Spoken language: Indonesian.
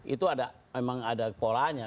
itu memang ada polanya